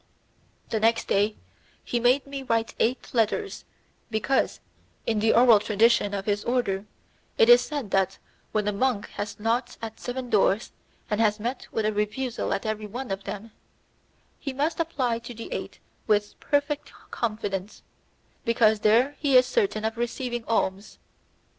The next day he made me write eight letters, because, in the oral tradition of his order, it is said that, when a monk has knocked at seven doors and has met with a refusal at every one of them, he must apply to the eighth with perfect confidence, because there he is certain of receiving alms.